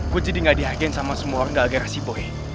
gue jadi gak dihargai sama semua orang gak agarasi boy